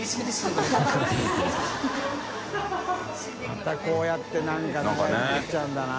またこうやって何か仲良くなっちゃうんだな。